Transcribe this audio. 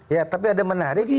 ya tapi ada menarik